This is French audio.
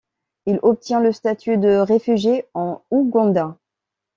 Il obtient le statut de réfugié en Ouganda.